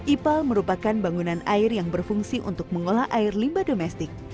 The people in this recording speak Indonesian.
ipal merupakan bangunan air yang berfungsi untuk mengolah air limba domestik